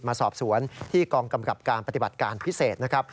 มาสอบสวนที่กองกำกับการปฏิบัติการพิเศษนะครับ